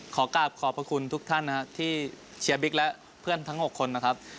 ขอกราบขอบพระคุณทุกท่านนะครับที่เชียร์บิ๊กและเพื่อนทั้ง๖คนนะครับ